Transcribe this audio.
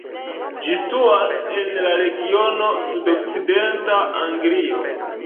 Ĝi situas en la regiono sudokcidenta Anglio.